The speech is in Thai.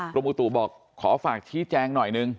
กรมอุตุบอกขอฝากชี้แจงหน่อยนึง